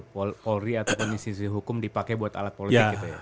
polri ataupun institusi hukum dipakai buat alat politik gitu ya